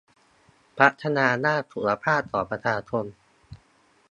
พัฒนาด้านสุขภาพของประชาชน